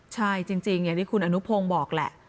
ใช่จริงอย่างที่คุณอนุพงศ์บอกแหละ